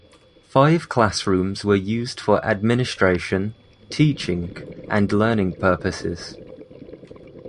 Five classrooms were used for administration, teaching and learning purposes.